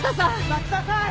待ちなさい！